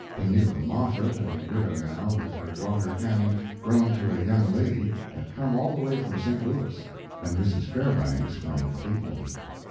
Pamela Moffett, a widow now, with her daughter Annie, grown to a young lady, had come all the way from St. Louis, and Mrs. Fairbanks from Cleveland.